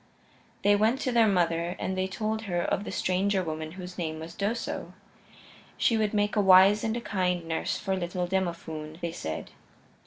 They went to their mother and they told her of the stranger woman whose name was Doso. She would make a wise and a kind nurse for little Demophoon, they said.